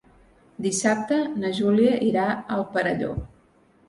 Dissabte na Júlia irà al Perelló.